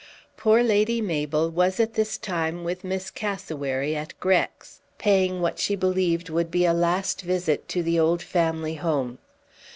Poor Lady Mabel was at this time with Miss Cassewary at Grex, paying what she believed would be a last visit to the old family home.